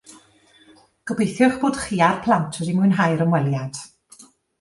Gobeithio eich bod chi a'r plant wedi mwynhau'r ymweliad